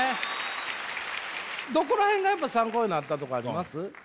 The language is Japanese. どこらへんがやっぱ参考になったとかあります？